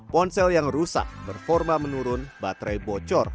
ponsel yang rusak berforma menurun baterai bocor